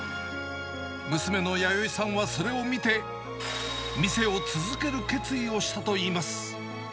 娘のやよいさんはそれを見て、店を続ける決意をしたといいます。